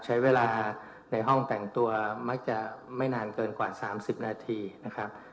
ใช้เวลาในห้องแต่งตัวมักจะไม่นานเกินกว่า๓๐นาทีนะครับ